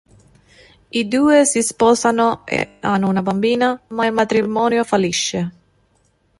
I due si sposano e hanno una bambina ma il matrimonio fallisce.